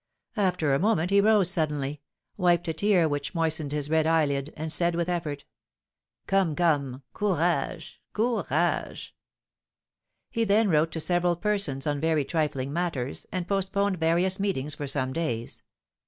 After a moment he rose suddenly, wiped a tear which moistened his red eyelid, and said with effort: "Come, come! Courage, courage!" He then wrote to several persons on very trifling matters, and postponed various meetings for some days.